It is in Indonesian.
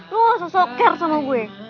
lo gak usah soker sama gue